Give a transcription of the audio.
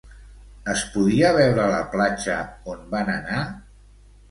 Es podia veure la platja on van anar?